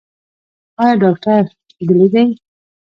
ایا ډاکټر دلې دی؟